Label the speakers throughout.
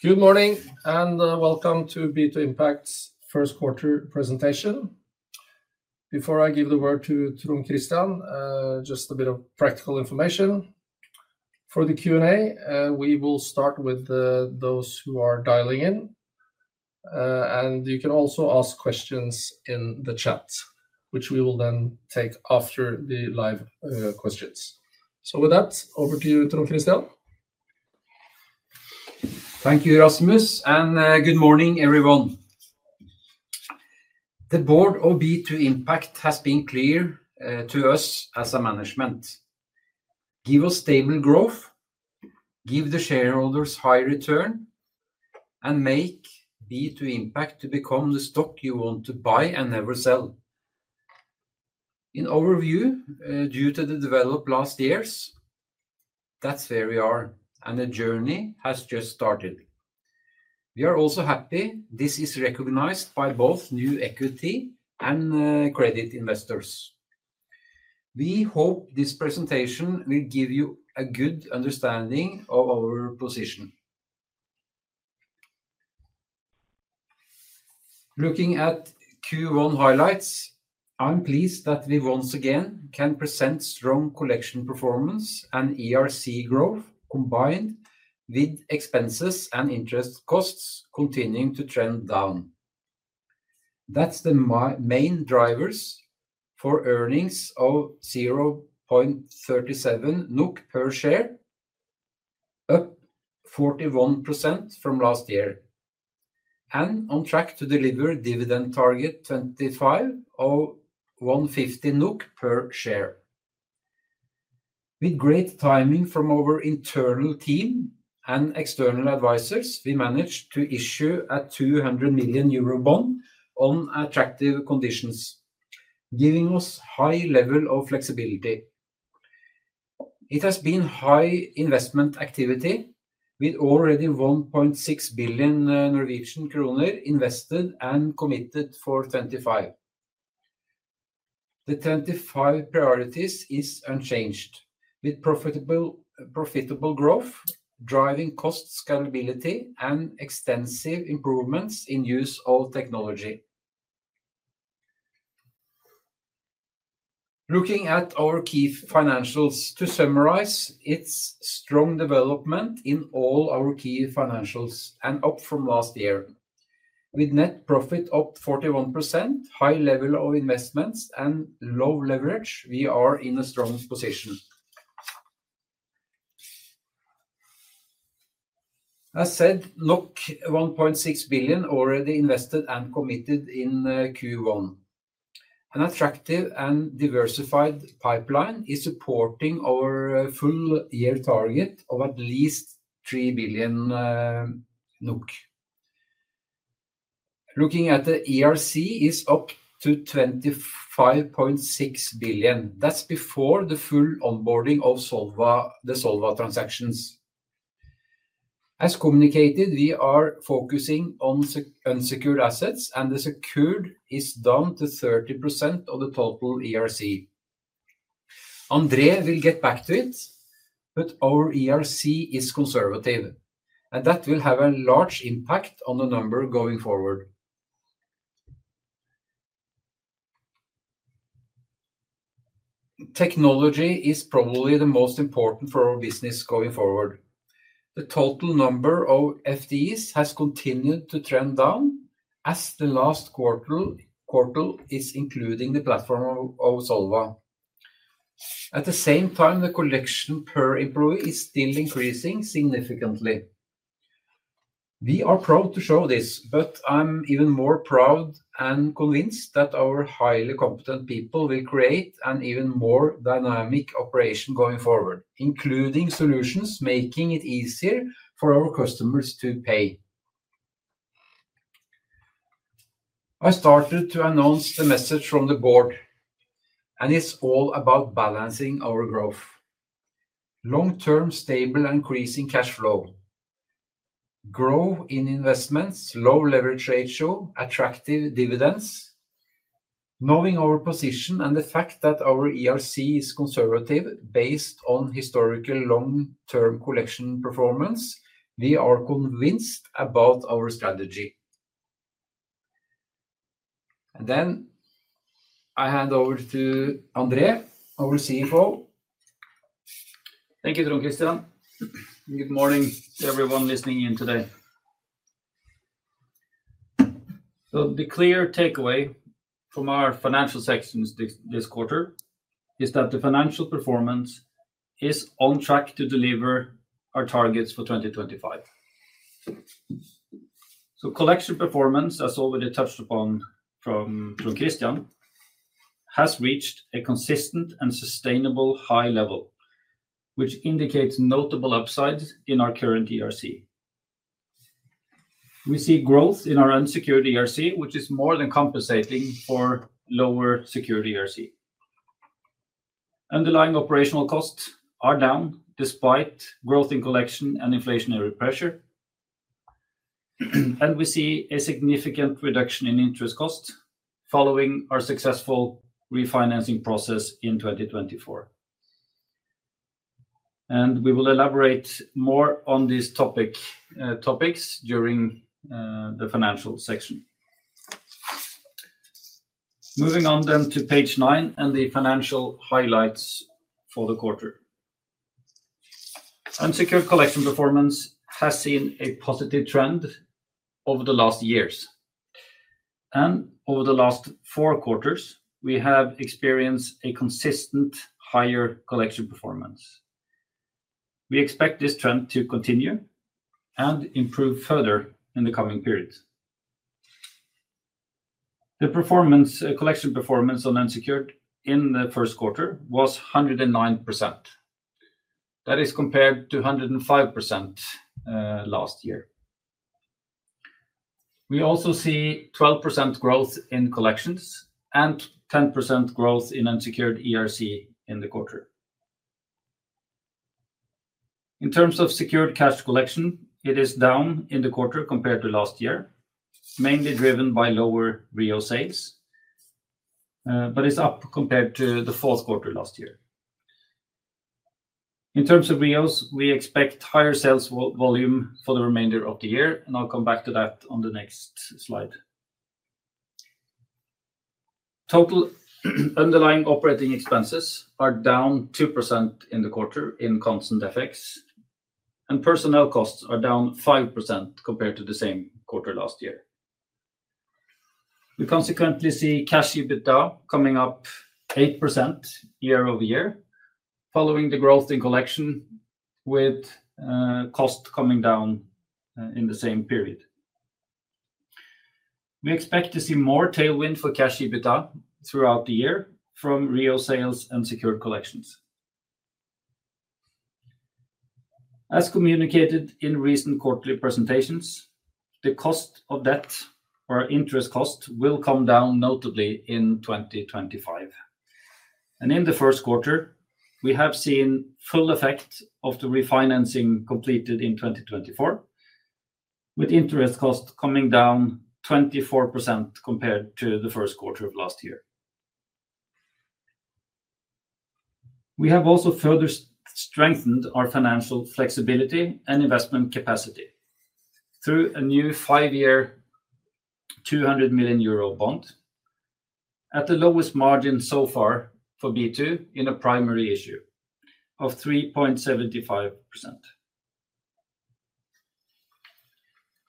Speaker 1: Good morning and welcome to B2 Impact's Q1 presentation. Before I give the word to Trond Kristian, just a bit of practical information. For the Q&A, we will start with those who are dialing in, and you can also ask questions in the chat, which we will then take after the live questions. With that, over to you, Trond Kristian.
Speaker 2: Thank you, Rasmus, and good morning, everyone. The board of B2 Impact has been clear to us as a management: give us stable growth, give the shareholders high return, and make B2 Impact become the stock you want to buy and never sell. In overview, due to the developed last years, that's where we are, and the journey has just started. We are also happy this is recognized by both new equity and credit investors. We hope this presentation will give you a good understanding of our position. Looking at Q1 highlights, I'm pleased that we once again can present strong collection performance and ERC growth combined with expenses and interest costs continuing to trend down. That's the main drivers for EPS of NOK 0.37, up 41% from last year, and on track to deliver dividend target 2025 of 1.50 NOK per share. With great timing from our internal team and external advisors, we managed to issue a 200 million euro bond on attractive conditions, giving us a high level of flexibility. It has been high investment activity with already EUR 1.6 billion invested and committed for 2025. The 2025 priorities are unchanged, with profitable growth driving cost scalability and extensive improvements in use of technology. Looking at our key financials, to summarize, it's strong development in all our key financials and up from last year. With net profit up 41%, high level of investments, and low leverage, we are in a strong position. As said, 1.6 billion already invested and committed in Q1. An attractive and diversified pipeline is supporting our full year target of at least 3 billion NOK. Looking at the ERC, it's up to 25.6 billion. That's before the full onboarding of the Zolva transactions. As communicated, we are focusing on unsecured assets, and the secured is down to 30% of the total ERC. André will get back to it, but our ERC is conservative, and that will have a large impact on the number going forward. Technology is probably the most important for our business going forward. The total number of FTEs has continued to trend down as the last quarter is including the platform of Zolva. At the same time, the collection per employee is still increasing significantly. We are proud to show this, but I'm even more proud and convinced that our highly competent people will create an even more dynamic operation going forward, including solutions making it easier for our customers to pay. I started to announce the message from the board, and it's all about balancing our growth. Long-term, stable, and increasing cash flow. Growth in investments, low leverage ratio, attractive dividends. Knowing our position and the fact that our ERC is conservative based on historical long-term collection performance, we are convinced about our strategy. I hand over to André, our CFO.
Speaker 3: Thank you, Trond Kristian. Good morning to everyone listening in today. The clear takeaway from our financial sections this quarter is that the financial performance is on track to deliver our targets for 2025. Collection performance, as already touched upon from Trond Kristian, has reached a consistent and sustainable high level, which indicates notable upsides in our current ERC. We see growth in our unsecured ERC, which is more than compensating for lower secured ERC. Underlying operational costs are down despite growth in collection and inflationary pressure, and we see a significant reduction in interest costs following our successful refinancing process in 2024. We will elaborate more on these topics during the financial section. Moving on to page nine and the financial highlights for the quarter. Unsecured collection performance has seen a positive trend over the last years, and over the last four quarters, we have experienced a consistent higher collection performance. We expect this trend to continue and improve further in the coming period. The collection performance on unsecured in the Q1 was 109%. That is compared to 105% last year. We also see 12% growth in collections and 10% growth in unsecured ERC in the quarter. In terms of secured cash collection, it is down in the quarter compared to last year, mainly driven by lower REO sales, but it is up compared to the Q4 last year. In terms of REOs, we expect higher sales volume for the remainder of the year, and I will come back to that on the next slide. Total underlying operating expenses are down 2% in the quarter in constant FX, and personnel costs are down 5% compared to the same quarter last year. We consequently see cash EBITDA coming up 8% year over year, following the growth in collection with costs coming down in the same period. We expect to see more tailwind for cash EBITDA throughout the year from REO sales and secured collections. As communicated in recent quarterly presentations, the cost of debt, or interest cost, will come down notably in 2025. In the Q1, we have seen full effect of the refinancing completed in 2024, with interest costs coming down 24% compared to the Q1 of last year. We have also further strengthened our financial flexibility and investment capacity through a new five-year 200 million euro bond at the lowest margin so far for B2 in a primary issue of 3.75%.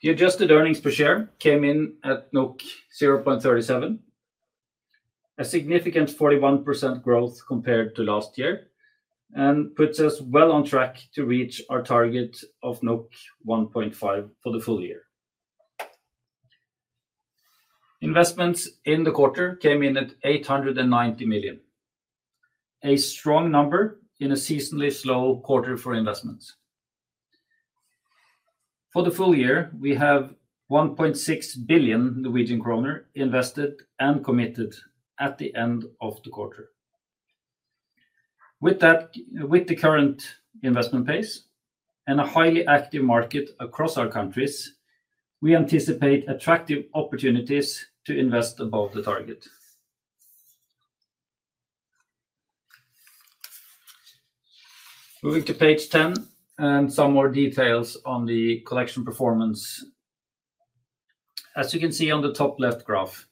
Speaker 3: The adjusted earnings per share came in at 0.37, a significant 41% growth compared to last year, and puts us well on track to reach our target of 1.5 for the full year. Investments in the quarter came in at 890 million, a strong number in a seasonally slow quarter for investments. For the full year, we have EUR 1.6 billion invested and committed at the end of the quarter. With the current investment pace and a highly active market across our countries, we anticipate attractive opportunities to invest above the target. Moving to page 10 and some more details on the collection performance. As you can see on the top left graph,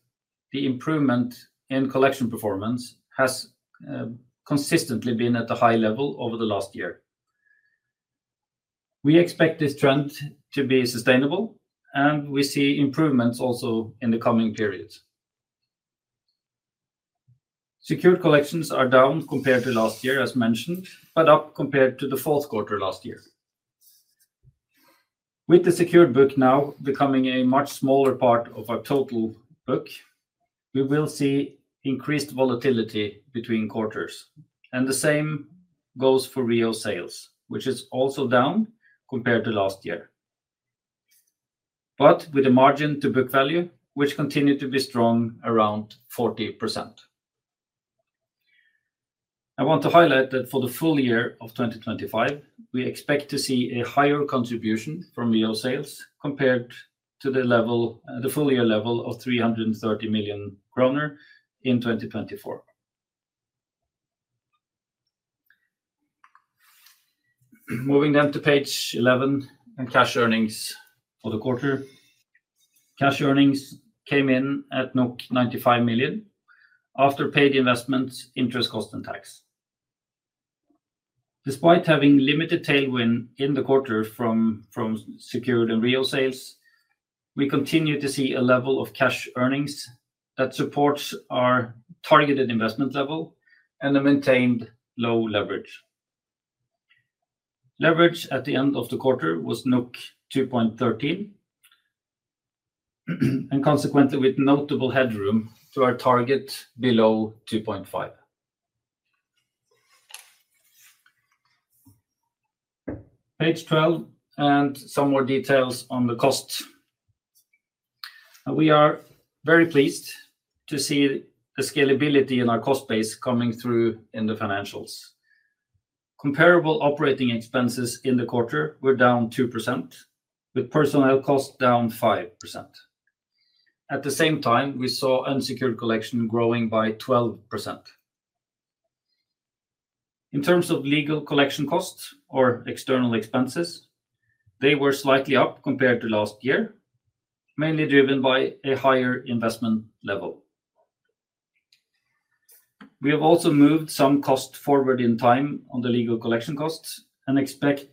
Speaker 3: the improvement in collection performance has consistently been at a high level over the last year. We expect this trend to be sustainable, and we see improvements also in the coming period. Secured collections are down compared to last year, as mentioned, but up compared to the Q4 last year. With the secured book now becoming a much smaller part of our total book, we will see increased volatility between quarters, and the same goes for REO sales, which is also down compared to last year, but with a margin to book value, which continued to be strong around 40%. I want to highlight that for the full year of 2025, we expect to see a higher contribution from REO sales compared to the full year level of EUR 330 million in 2024. Moving then to page 11 and cash earnings for the quarter. Cash earnings came in at 95 million after paid investments, interest costs, and tax. Despite having limited tailwind in the quarter from secured and REO sales, we continue to see a level of cash earnings that supports our targeted investment level and a maintained low leverage. Leverage at the end of the quarter was 2.13, and consequently, with notable headroom to our target below 2.5. Page 12 and some more details on the costs. We are very pleased to see the scalability in our cost base coming through in the financials. Comparable operating expenses in the quarter were down 2%, with personnel costs down 5%. At the same time, we saw unsecured collection growing by 12%. In terms of legal collection costs or external expenses, they were slightly up compared to last year, mainly driven by a higher investment level. We have also moved some costs forward in time on the legal collection costs and expect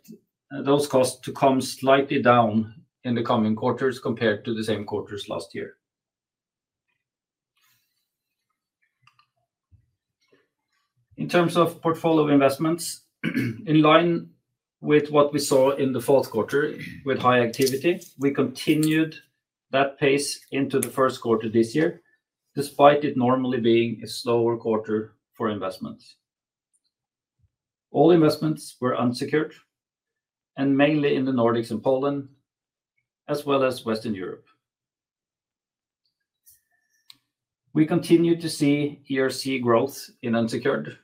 Speaker 3: those costs to come slightly down in the coming quarters compared to the same quarters last year. In terms of portfolio investments, in line with what we saw in the Q4 with high activity, we continued that pace into the Q1 this year, despite it normally being a slower quarter for investments. All investments were unsecured and mainly in the Nordics and Poland, as well as Western Europe. We continue to see ERC growth in unsecured,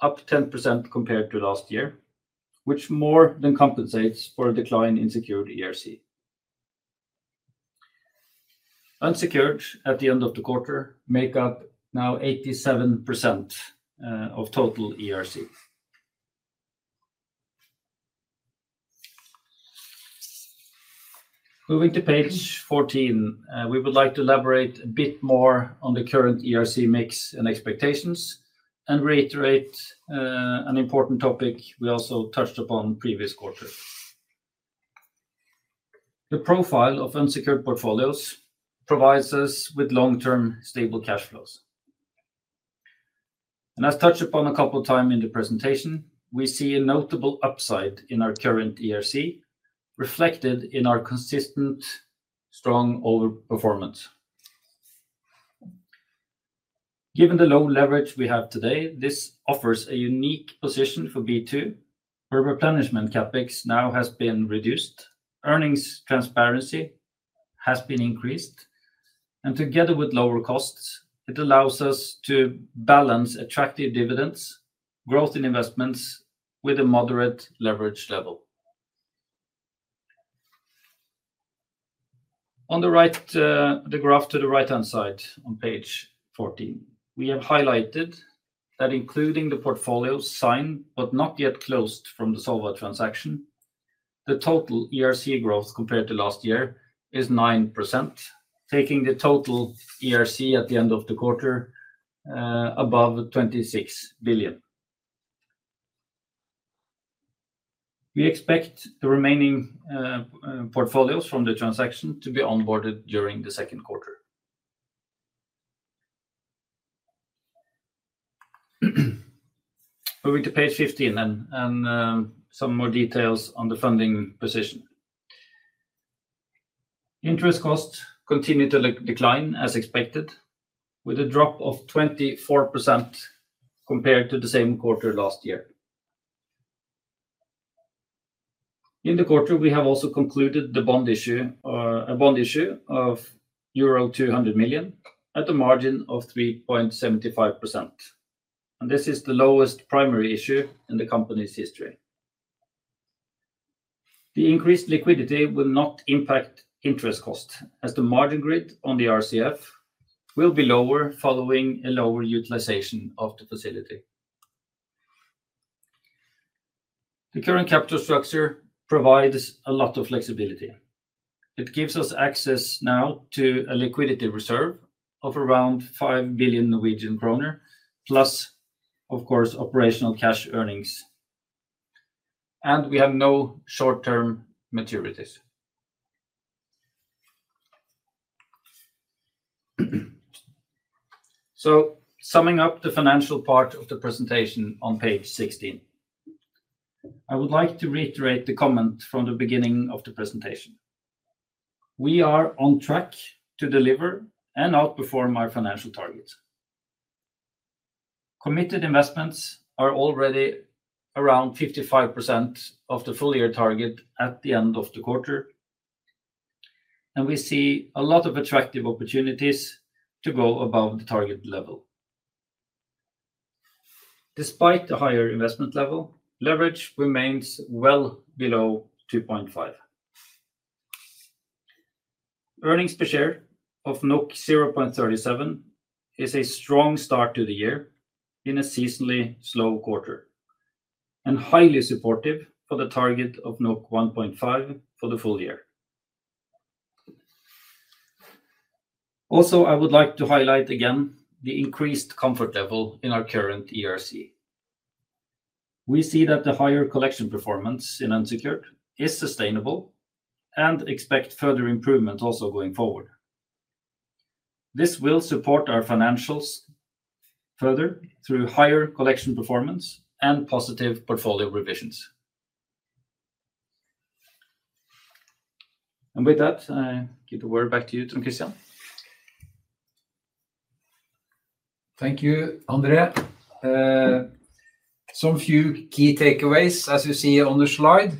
Speaker 3: up 10% compared to last year, which more than compensates for a decline in secured ERC. Unsecured at the end of the quarter makes up now 87% of total ERC. Moving to page 14, we would like to elaborate a bit more on the current ERC mix and expectations and reiterate an important topic we also touched upon previous quarters. The profile of unsecured portfolios provides us with long-term stable cash flows. As touched upon a couple of times in the presentation, we see a notable upside in our current ERC, reflected in our consistent, strong overperformance. Given the low leverage we have today, this offers a unique position for B2, where replenishment CapEx now has been reduced, earnings transparency has been increased, and together with lower costs, it allows us to balance attractive dividends, growth in investments with a moderate leverage level. On the right, the graph to the right-hand side on page 14, we have highlighted that including the portfolios signed but not yet closed from the Zolva transaction, the total ERC growth compared to last year is 9%, taking the total ERC at the end of the quarter above 26 billion. We expect the remaining portfolios from the transaction to be onboarded during the Q2. Moving to page 15 and some more details on the funding position. Interest costs continue to decline as expected, with a drop of 24% compared to the same quarter last year. In the quarter, we have also concluded a bond issue of euro 200 million at a margin of 3.75%. This is the lowest primary issue in the company's history. The increased liquidity will not impact interest costs, as the margin grid on the RCF will be lower following a lower utilization of the facility. The current capital structure provides a lot of flexibility. It gives us access now to a liquidity reserve of around 5 billion Norwegian kroner, plus, of course, operational cash earnings. We have no short-term maturities. Summing up the financial part of the presentation on page 16, I would like to reiterate the comment from the beginning of the presentation. We are on track to deliver and outperform our financial targets. Committed investments are already around 55% of the full-year target at the end of the quarter, and we see a lot of attractive opportunities to go above the target level. Despite the higher investment level, leverage remains well below 2.5. Earnings per share of 0.37 is a strong start to the year in a seasonally slow quarter and highly supportive for the target of 1.5 for the full year. Also, I would like to highlight again the increased comfort level in our current ERC. We see that the higher collection performance in unsecured is sustainable and expect further improvement also going forward. This will support our financials further through higher collection performance and positive portfolio revisions. I give the word back to you, Trond Kristian.
Speaker 2: Thank you, André. Some few key takeaways, as you see on the slide.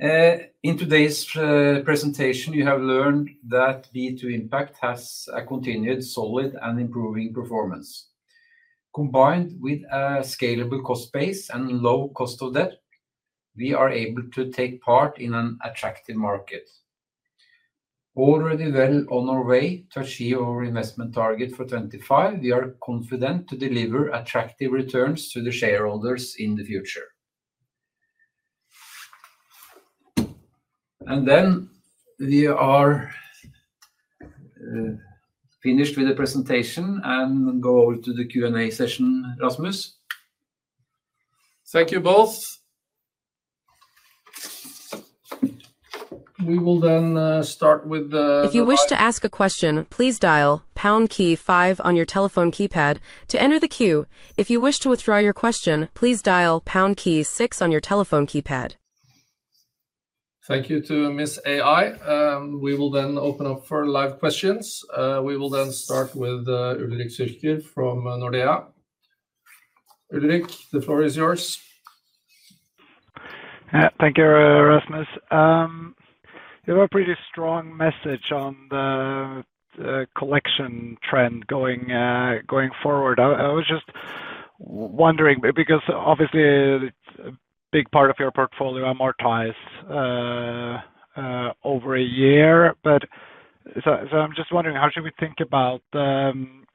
Speaker 2: In today's presentation, you have learned that B2 Impact has a continued solid and improving performance. Combined with a scalable cost base and low cost of debt, we are able to take part in an attractive market. Already well on our way to achieve our investment target for 2025, we are confident to deliver attractive returns to the shareholders in the future. We are finished with the presentation and go over to the Q&A session, Rasmus.
Speaker 1: Thank you both. We will then start with the...
Speaker 4: If you wish to ask a question, please dial pound key five on your telephone keypad to enter the queue. If you wish to withdraw your question, please dial pound key six on your telephone keypad.
Speaker 1: Thank you to Ms. AI. We will then open up for live questions. We will then start with Ulrik Årdal Zürcher from Nordea. Ulrik, the floor is yours.
Speaker 5: Thank you, Rasmus. You have a pretty strong message on the collection trend going forward. I was just wondering, because obviously a big part of your portfolio amortized over a year, but I am just wondering, how should we think about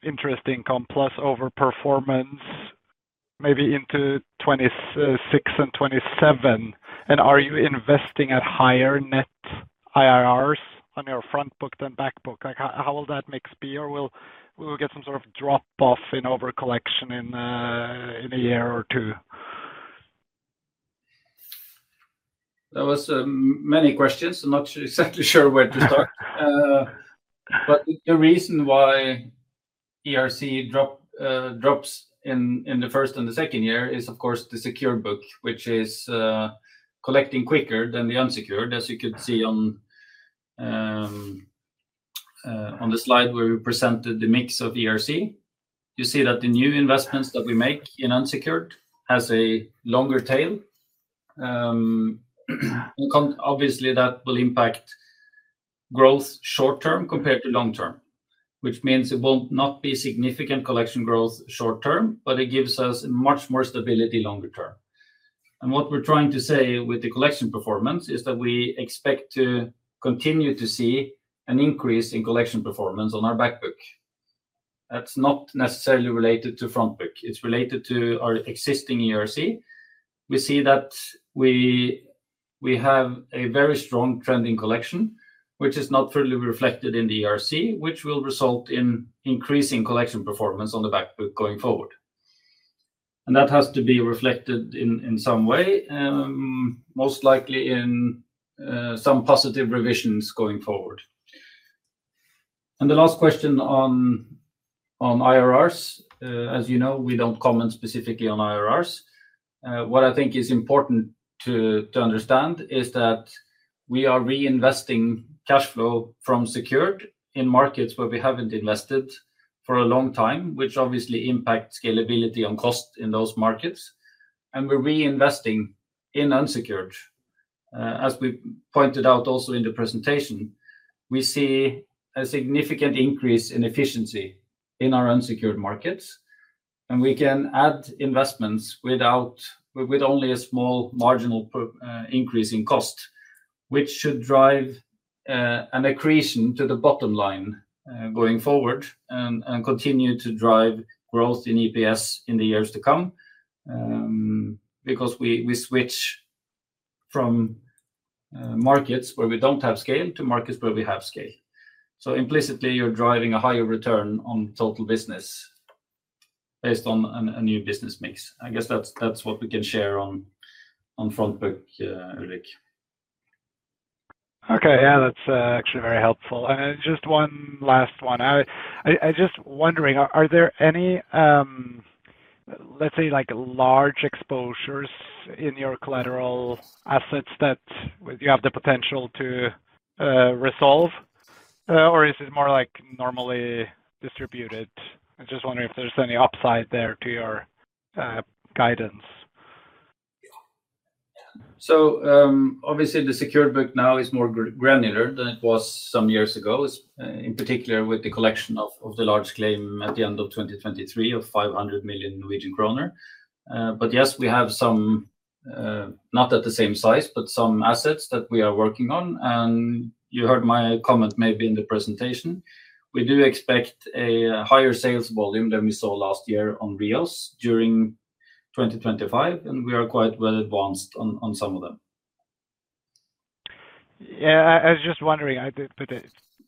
Speaker 5: interest income plus overperformance maybe into 2026 and 2027? Are you investing at higher net IRRs on your front book than back book? How will that mix be? Will we get some sort of drop-off in overcollection in a year or two?
Speaker 3: There were many questions, not exactly sure where to start. The reason why ERC drops in the first and the second year is, of course, the secured book, which is collecting quicker than the unsecured, as you could see on the slide where we presented the mix of ERC. You see that the new investments that we make in unsecured have a longer tail. Obviously, that will impact growth short-term compared to long-term, which means it will not be significant collection growth short-term, but it gives us much more stability longer-term. What we are trying to say with the collection performance is that we expect to continue to see an increase in collection performance on our back book. That is not necessarily related to front book. It is related to our existing ERC. We see that we have a very strong trend in collection, which is not fully reflected in the ERC, which will result in increasing collection performance on the back book going forward. That has to be reflected in some way, most likely in some positive revisions going forward. The last question on IRRs, as you know, we do not comment specifically on IRRs. What I think is important to understand is that we are reinvesting cash flow from secured in markets where we have not invested for a long time, which obviously impacts scalability on cost in those markets. We are reinvesting in unsecured. As we pointed out also in the presentation, we see a significant increase in efficiency in our unsecured markets. We can add investments with only a small marginal increase in cost, which should drive an accretion to the bottom line going forward and continue to drive growth in EPS in the years to come, because we switch from markets where we do not have scale to markets where we have scale. Implicitly, you are driving a higher return on total business based on a new business mix. I guess that is what we can share on front book, Ulrik.
Speaker 5: Okay, yeah, that is actually very helpful. Just one last one. I was just wondering, are there any, let's say, large exposures in your collateral assets that you have the potential to resolve, or is it more like normally distributed? I'm just wondering if there's any upside there to your guidance.
Speaker 3: Obviously, the secured book now is more granular than it was some years ago, in particular with the collection of the large claim at the end of 2023 of 500 million Norwegian kroner. Yes, we have some, not at the same size, but some assets that we are working on. You heard my comment maybe in the presentation. We do expect a higher sales volume than we saw last year on REOs during 2025, and we are quite well advanced on some of them.
Speaker 5: Yeah, I was just wondering,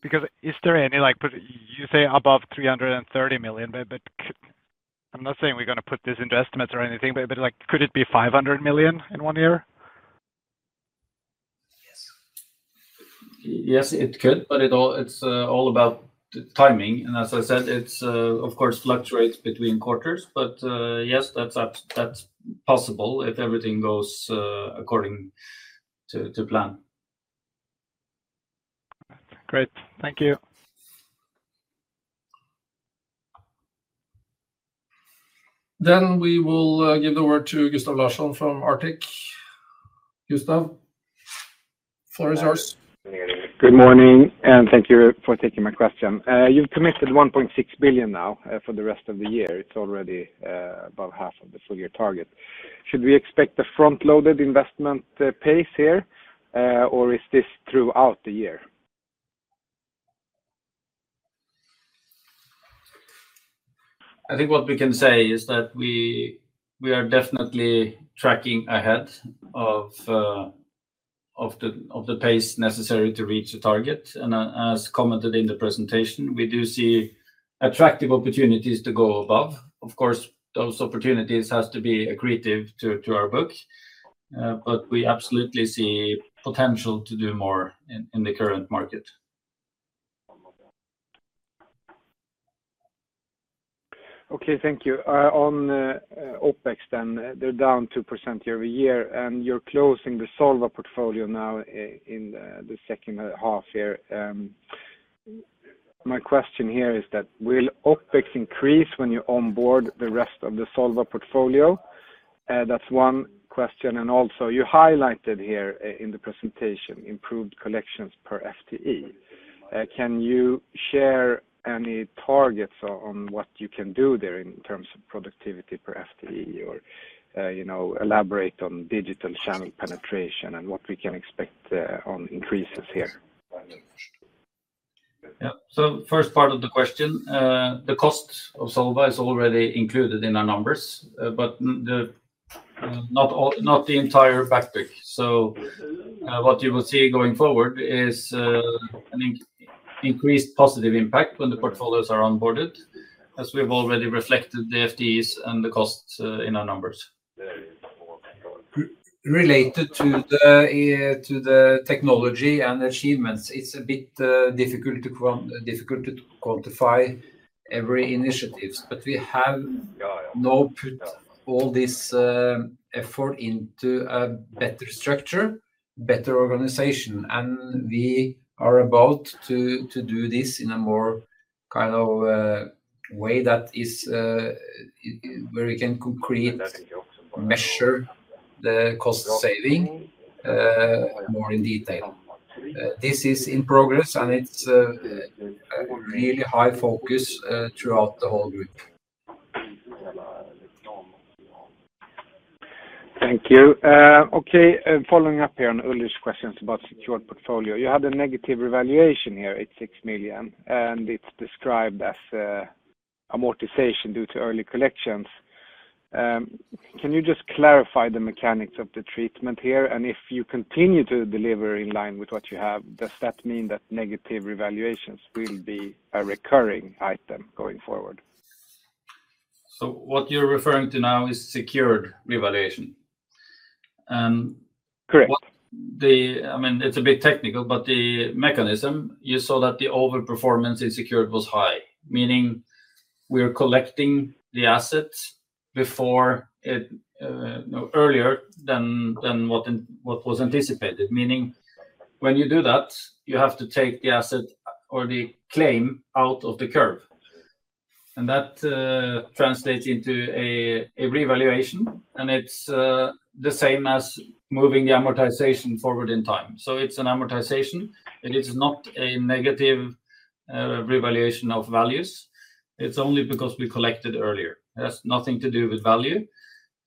Speaker 5: because is there any, you say above 330 million, but I'm not saying we're going to put this into estimates or anything, but could it be 500 million in one year?
Speaker 3: Yes, it could, but it's all about timing. As I said, it, of course, fluctuates between quarters, but yes, that's possible if everything goes according to plan.
Speaker 5: Great. Thank you.
Speaker 1: We will give the word to Gustav Larsson from Arctic. Gustav, the floor is yours.
Speaker 6: Good morning, and thank you for taking my question. You've committed 1.6 billion now for the rest of the year. It's already above half of the full-year target. Should we expect a front-loaded investment pace here, or is this throughout the year?
Speaker 3: I think what we can say is that we are definitely tracking ahead of the pace necessary to reach the target. As commented in the presentation, we do see attractive opportunities to go above. Of course, those opportunities have to be accretive to our book, but we absolutely see potential to do more in the current market.
Speaker 6: Okay, thank you. On OpEx then, they're down 2% year over year, and you're closing the Zolva portfolio now in the second half here. My question here is that will OpEx increase when you onboard the rest of the Zolva portfolio? That's one question. Also, you highlighted here in the presentation improved collections per FTE. Can you share any targets on what you can do there in terms of productivity per FTE or elaborate on digital channel penetration and what we can expect on increases here?
Speaker 3: Yeah, first part of the question, the cost of Zolva is already included in our numbers, but not the entire back book. What you will see going forward is an increased positive impact when the portfolios are onboarded, as we've already reflected the FTEs and the costs in our numbers.
Speaker 2: Related to the technology and achievements, it's a bit difficult to quantify every initiative, but we have now put all this effort into a better structure, better organization, and we are about to do this in a more kind of way that is where we can concretely measure the cost saving more in detail. This is in progress, and it's a really high focus throughout the whole group.
Speaker 6: Thank you. Okay, following up here on Ulrik's questions about secured portfolio, you had a negative revaluation here, 86 million, and it's described as amortization due to early collections. Can you just clarify the mechanics of the treatment here? If you continue to deliver in line with what you have, does that mean that negative revaluations will be a recurring item going forward?
Speaker 3: What you are referring to now is secured revaluation. Correct. I mean, it is a bit technical, but the mechanism, you saw that the overperformance in secured was high, meaning we are collecting the assets earlier than what was anticipated. Meaning when you do that, you have to take the asset or the claim out of the curve. That translates into a revaluation, and it is the same as moving the amortization forward in time. It is an amortization, and it is not a negative revaluation of values. It is only because we collected earlier. It has nothing to do with value.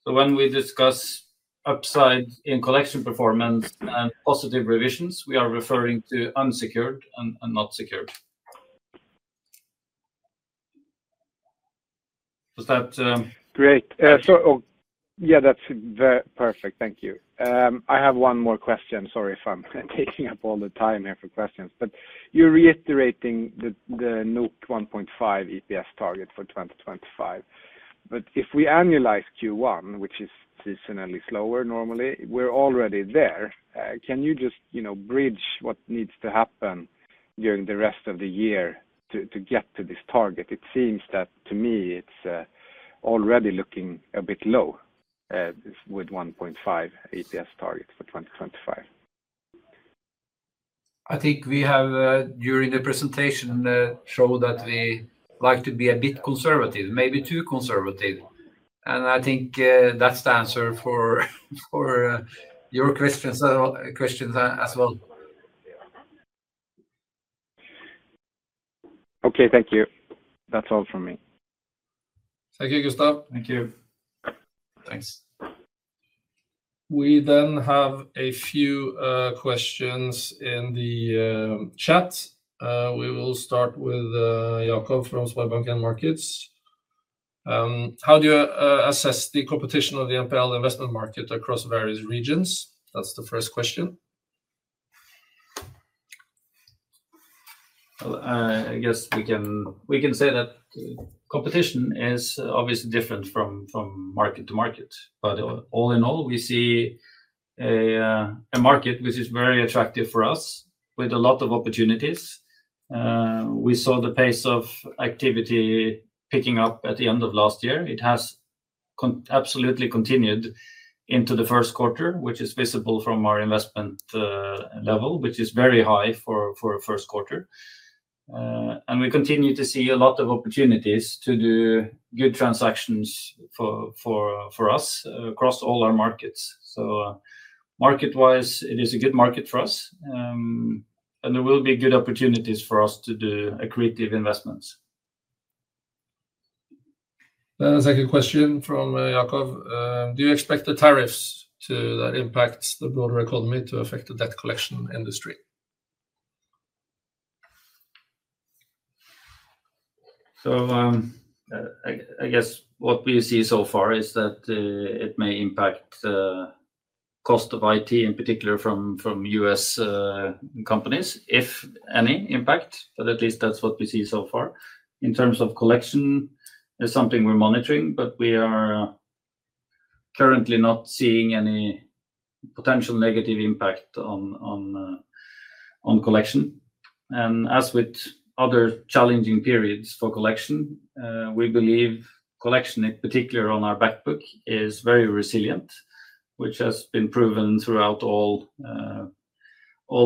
Speaker 3: When we discuss upside in collection performance and positive revisions, we are referring to unsecured and not secured. Does that?
Speaker 6: Great. Yeah, that is perfect. Thank you. I have one more question. Sorry if I'm taking up all the time here for questions, but you're reiterating the 1.5 EPS target for 2025. If we annualize Q1, which is seasonally slower normally, we're already there. Can you just bridge what needs to happen during the rest of the year to get to this target? It seems to me, it's already looking a bit low with 1.5 EPS target for 2025.
Speaker 2: I think we have, during the presentation, shown that we like to be a bit conservative, maybe too conservative. I think that's the answer for your questions as well.
Speaker 6: Okay, thank you. That's all from me.
Speaker 1: Thank you, Gustav. Thank you. Thanks. We then have a few questions in the chat. We will start with Jakov from Swedbank Markets. How do you assess the competition of the NPL investment market across various regions? That's the first question.
Speaker 3: I guess we can say that competition is obviously different from market to market. All in all, we see a market which is very attractive for us with a lot of opportunities. We saw the pace of activity picking up at the end of last year. It has absolutely continued into the Q1, which is visible from our investment level, which is very high for the Q1. We continue to see a lot of opportunities to do good transactions for us across all our markets. Market-wise, it is a good market for us, and there will be good opportunities for us to do accretive investments.
Speaker 1: That's a good question from Jakov. Do you expect the tariffs to impact the broader economy to affect the debt collection industry?
Speaker 3: I guess what we see so far is that it may impact the cost of IT, in particular from US companies, if any impact, but at least that's what we see so far. In terms of collection, there's something we're monitoring, but we are currently not seeing any potential negative impact on collection. As with other challenging periods for collection, we believe collection, particularly on our back book, is very resilient, which has been proven throughout all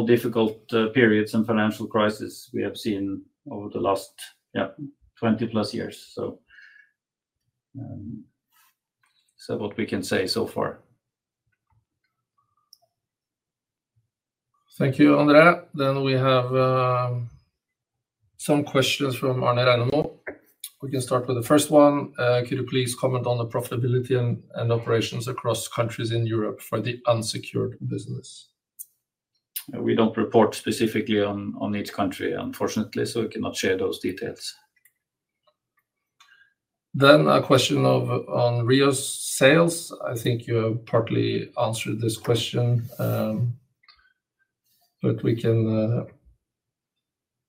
Speaker 3: difficult periods and financial crises we have seen over the last 20 plus years. That's what we can say so far.
Speaker 1: Thank you, André. We have some questions from Arne Reinemo. We can start with the first one. Could you please comment on the profitability and operations across countries in Europe for the unsecured business?
Speaker 3: We don't report specifically on each country, unfortunately, so we cannot share those details.
Speaker 1: A question on REO sales. I think you have partly answered this question, but we can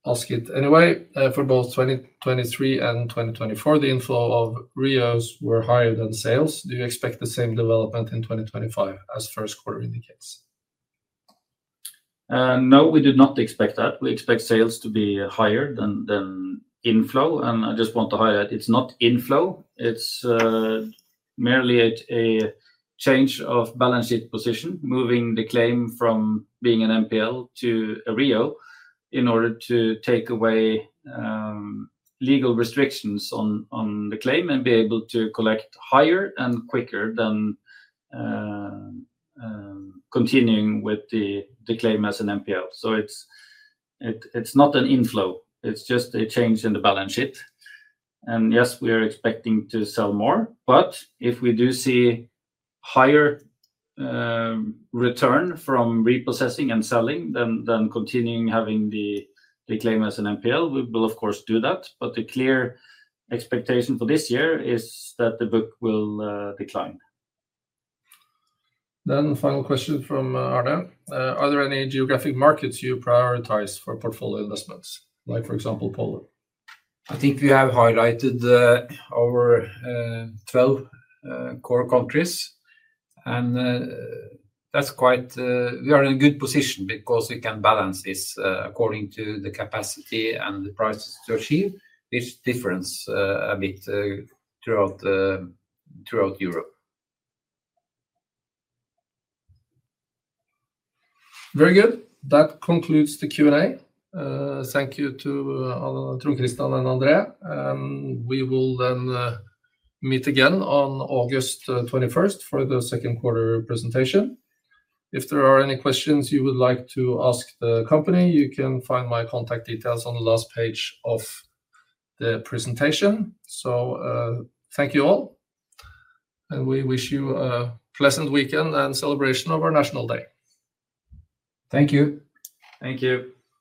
Speaker 1: ask it anyway. For both 2023 and 2024, the inflow of REOs was higher than sales. Do you expect the same development in 2025 as Q1 indicates?
Speaker 3: No, we do not expect that. We expect sales to be higher than inflow. I just want to highlight, it is not inflow. It is merely a change of balance sheet position, moving the claim from being an NPL to a REO in order to take away legal restrictions on the claim and be able to collect higher and quicker than continuing with the claim as anNPL. It is not an inflow. It is just a change in the balance sheet. Yes, we are expecting to sell more, but if we do see higher return from repossessing and selling than continuing having the claim as an NPL, we will, of course, do that. The clear expectation for this year is that the book will decline.
Speaker 1: Final question from Arne. Are there any geographic markets you prioritize for portfolio investments, like for example, Poland?
Speaker 2: I think we have highlighted our 12 core countries, and that is quite, we are in a good position because we can balance this according to the capacity and the prices to achieve, which differs a bit throughout Europe.
Speaker 1: Very good. That concludes the Q&A. Thank you to Trond Kristian and André. We will then meet again on 21 August for the Q2 presentation. If there are any questions you would like to ask the company, you can find my contact details on the last page of the presentation. Thank you all, and we wish you a pleasant weekend and celebration of our national day.
Speaker 3: Thank you.
Speaker 2: Thank you.